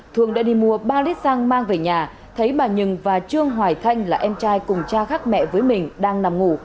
thương đã đi mua ba lít xăng mang về nhà thấy bà nhường và trương hoài thanh là em trai cùng cha khác mẹ với mình đang nằm ngủ